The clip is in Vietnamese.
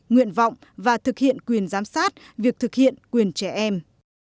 nguyện vọng và thực hiện quyền giám sát việc thực hiện quyền trẻ em